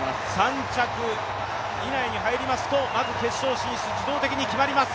３着以内に入りますと、まず決勝進出が自動的に決まります。